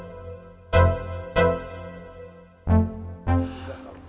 kalian akan dihukum karena sudah membuat laporan palsu